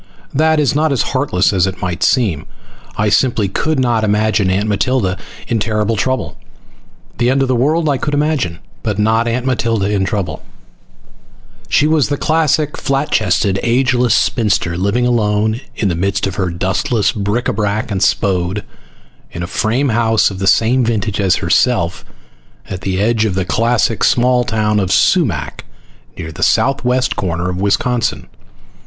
That is not as heartless as it might seem. I simply could not imagine Aunt Matilda in terrible trouble. The end of the world I could imagine, but not Aunt Matilda in trouble. [Illustration: Wherever he went Arthur felt the power behind the lens.] She was the classic flat chested ageless spinster living alone in the midst of her dustless bric a brac and Spode in a frame house of the same vintage as herself at the edge of the classic small town of Sumac, near the southwest corner of Wisconsin.